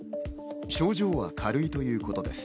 症状は軽いということです。